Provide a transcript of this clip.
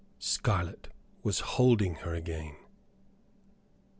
Scarlett was holding her again.